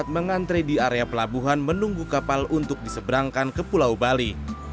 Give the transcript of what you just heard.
mengantre di area pelabuhan menunggu kapal untuk diseberangkan ke pulau bali